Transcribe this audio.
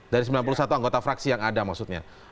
dari sembilan puluh satu anggota fraksi yang ada maksudnya